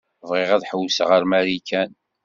Bɣiɣ ad ḥewwseɣ ar Marikan.